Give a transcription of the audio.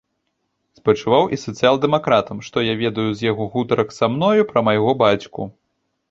Спачуваў і сацыял-дэмакратам, што я ведаю з яго гутарак са мною пра майго бацьку.